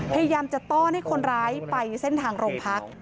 พยายามจะต้อนให้คนร้ายไปเส้นทางโรงพัก